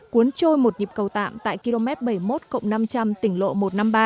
cuốn trôi một nhịp cầu tạm tại km bảy mươi một năm trăm linh tỉnh lộ một trăm năm mươi ba